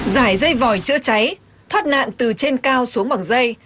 giải dây vòi chữa cháy thoát nạn từ trên cao xuống bằng dây